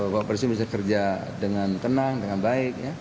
bapak presiden bisa kerja dengan tenang dengan baik